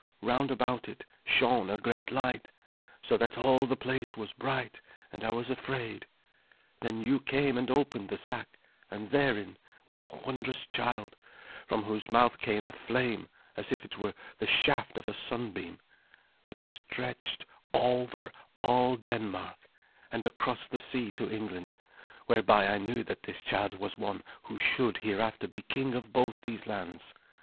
round about it shone a great light, so that all the place was bright, and I was afraid. Then you came and opened the sack, and therein was a wondrous child, from whose mouth came a flame, as it were the shaft of a sunbeam, that stretched over all Denmark, and across the sea to England, whereby I knew that this child was one who should hereafter be king of both these lands.